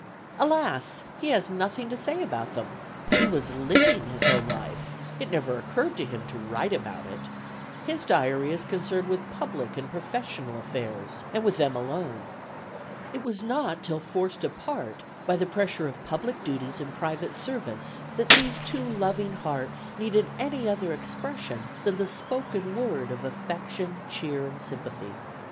Alas! he has nothing to say about them. He was living his home life; it never occurred to him to write about it. His diary is concerned with public and professional affairs, and with them alone. It was not till forced apart by the pressure of public duties and private service, that these two loving hearts needed any other expression than the spoken word of affection, cheer and sympathy.